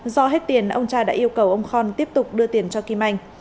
do hết tiền ông tra đã yêu cầu ông con tiếp tục đưa tiền cho kim anh